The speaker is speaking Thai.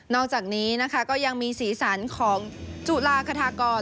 นอกจากนี้นะคะก็ยังมีศีลสรรค์ของจุฬาฆาฒากร